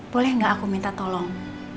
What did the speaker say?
boleh nggak aku minta tolong